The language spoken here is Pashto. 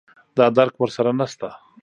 دا درک ور سره نشته